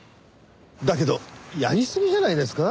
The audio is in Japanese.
だけどやりすぎじゃないですか？